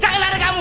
jangan lari kamu